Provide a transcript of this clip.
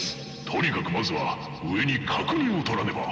とにかくまずは上に確認をとらねば。